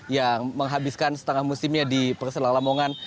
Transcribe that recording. yang menghabiskan setengah musimnya di perselala mongan